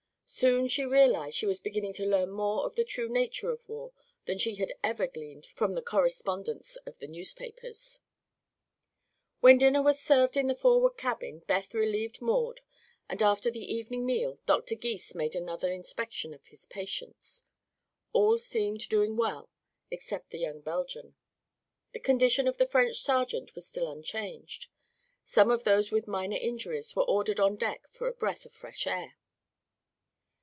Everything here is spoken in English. Soon she realized she was beginning to learn more of the true nature of war than she had ever gleaned from the correspondents of the newspapers. When dinner was served in the forward cabin Beth relieved Maud and after the evening meal Dr. Gys made another inspection of his patients. All seemed doing well except the young Belgian. The condition of the French sergeant was still unchanged. Some of those with minor injuries were ordered on deck for a breath of fresh air.